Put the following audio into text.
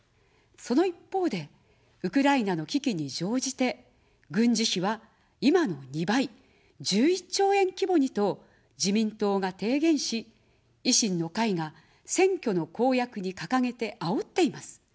その一方で、ウクライナの危機に乗じて、軍事費は今の２倍、１１兆円規模にと自民党が提言し、維新の会が選挙の公約に掲げてあおっています。